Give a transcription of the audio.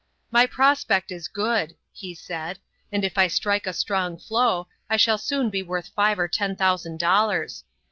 "My prospect is good," he said, "and if I strike a strong flow, I shall soon be worth five or ten thousand dollars.